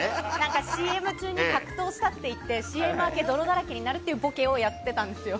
ＣＭ中に格闘したって言ってＣＭ明け、泥だらけになるってボケをやってたんですよ。